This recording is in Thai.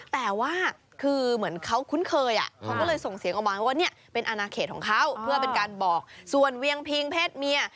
แต่ว่าคือเหมือนเขาคุ้นเคยเขาก็เลยส่งเสียงออกมาว่าเนี่ยเป็นอนาเขตของเขาเพื่อเป็นการบอกส่วนเวียงพิงเพศเมีย